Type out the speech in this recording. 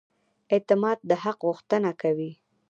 اعتماد د حق غوښتنه کوي.